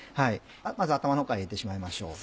まず頭のほうから入れてしまいましょう。